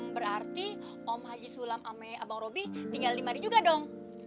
berarti om haji sulam sama abang robi tinggal di mari juga dong